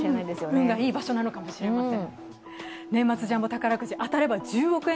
運がいい場所なのかもしれません。